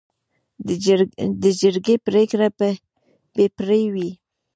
د جرګې پریکړه بې پرې وي.